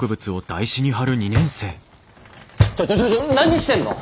ちょちょちょ何してんの！？